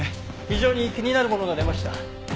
非常に気になるものが出ました。